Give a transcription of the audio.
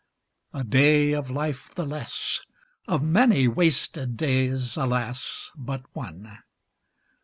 A day of life the less; Of many wasted days, alas, but one!